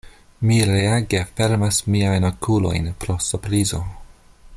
Mi reage fermas miajn okulojn pro surprizo.